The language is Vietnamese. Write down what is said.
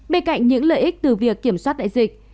bên cạnh những lợi ích từ việc kiểm soát đại dịch